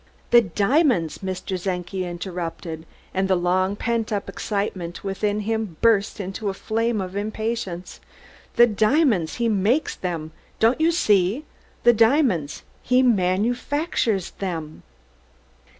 "The diamonds!" Mr. Czenki interrupted, and the long pent up excitement within him burst into a flame of impatience. "The diamonds! He makes them! Don't you see? Diamonds! He manufactures them!"